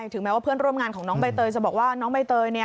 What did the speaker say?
ถึงแม้ว่าเพื่อนร่วมงานของน้องใบเตยจะบอกว่าน้องใบเตย